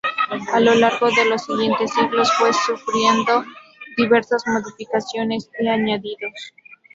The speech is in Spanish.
A lo largo de los siguientes siglos fue sufriendo diversas modificaciones y añadidos.